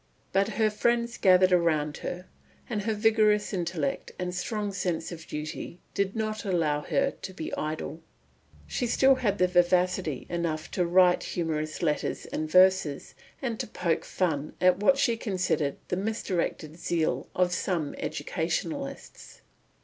But her friends gathered round her, and her vigorous intellect and strong sense of duty did not allow her to be idle. She still had vivacity enough to write humorous letters and verses, and to poke fun at what she considered the misdirected zeal of some educationalists.